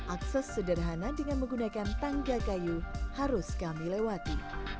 akses sederhana dengan menggunakan tangga kayu harus kami lewati